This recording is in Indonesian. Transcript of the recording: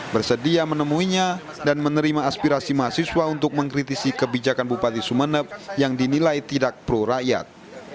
bersedia menemuinya dan menerima aspirasi mahasiswa untuk mengkritisi kebijakan bupati sumeneb yang dinilai tidak pro rakyat